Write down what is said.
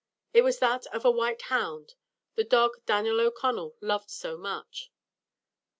It was that of a white hound, the dog Daniel O'Connell loved so much.